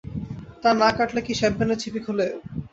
তার না কাটলে কি শ্যাম্পেনের ছিপি খোলে?